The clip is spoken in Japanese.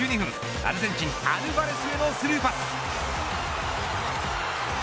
アルゼンチンアルヴァレスへのスルーパス。